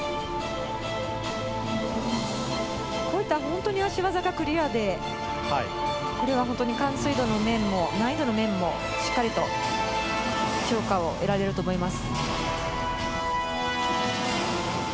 こういった脚技、本当にクリアで、完成度の面も難易度の面もしっかり評価を得られると思います。